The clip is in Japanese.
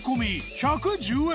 １１０円